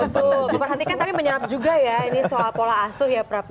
tuh memperhatikan tapi menyerap juga ya ini soal pola asu ya prap ya